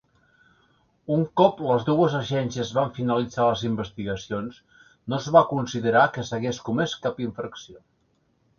Un cop les dues agències van finalitzar les investigacions, no es va considerar que s'hagués comès cap infracció.